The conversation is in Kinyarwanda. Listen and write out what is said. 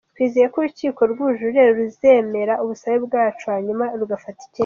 Twizeye ko Urukiko rw’Ubujurire ruzemera ubusabe bwacu hanyuma rugafata icyemezo.